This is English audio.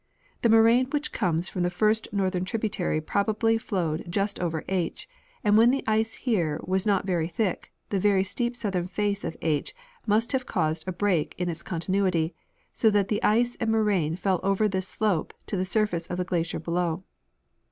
The moraine which comes from the first northern tributary probably flowed just over H, and when the ice here was not very thick the very steep southern face of H must have caused a break in its continuity, so that the ice and moraine fell over this slope to the surface of the glacier below.